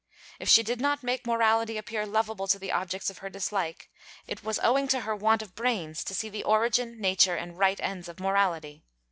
If she did not make morality appear loveable to the objects of her dislike, it was owing to her want of brains to see the origin, nature and right ends of morality.